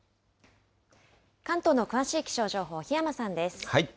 関東の詳しい気象情報、檜山さんです。